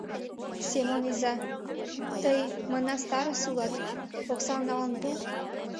Семон изай, тый, мына, старыс улат, оксам налын пу.